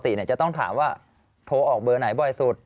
จะต้องถามว่าโทรออกเบอร์ไหนบ่อยสุด